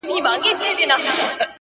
• ځان یې دروند سو لکه کاڼی په اوبو کي ,